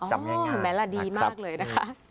จำงานดีมากเลยนะคะ